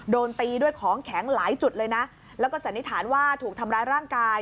โดนตีด้วยของแข็งหลายจุดเลยนะแล้วก็สันนิษฐานว่าถูกทำร้ายร่างกาย